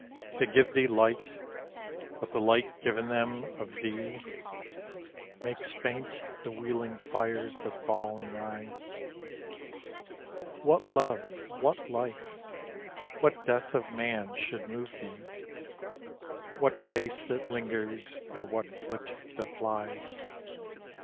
They give thee light, but the light given them of thee Makes faint the wheeling fires that fall and rise. What love, what life, what death of man's should move thee, What face that lingers or what foot that flies?